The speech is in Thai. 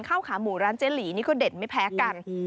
ขาหมูร้านเจ๊หลีนี่ก็เด็ดไม่แพ้กัน